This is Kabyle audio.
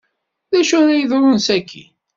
D acu ara yeḍrun sakkin?